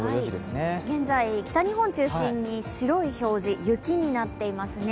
現在、北日本を中心に白い表示、雪になっていますね。